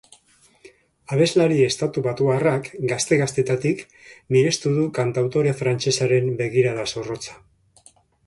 Abeslari estatu batuarrak gazte-gaztetatik mirestu du kantautore frantsesaren begirada zorrotza.